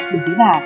đồng ý bà